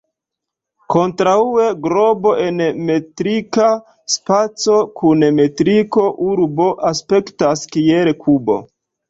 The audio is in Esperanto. Kontraŭe, globo en metrika spaco kun metriko "urbo" aspektas kiel kubo.